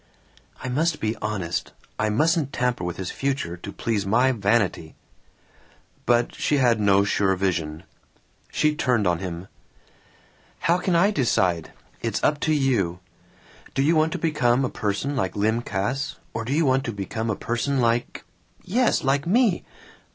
"I must be honest. I mustn't tamper with his future to please my vanity." But she had no sure vision. She turned on him: "How can I decide? It's up to you. Do you want to become a person like Lym Cass, or do you want to become a person like yes, like me!